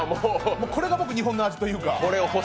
これが僕、日本の味というか。